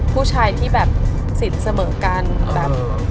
ผู้ชายที่แบบสินเสมอกันแบบ